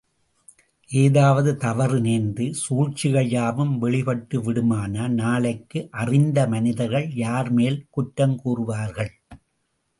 ஏதாவது தவறு நேர்ந்து சூழ்ச்சிகள் யாவும் வெளிப்பட்டு விடுமானால் நாளைக்கு அறிந்த மனிதர்கள் யார் மேல் குற்றங் கூறுவார்கள்?